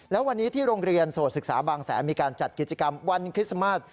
แล้ววันนี้ที่โรงเรียนโสดศึกษาบางแสนมีการจัดกิจกรรมวันคริสต์มาส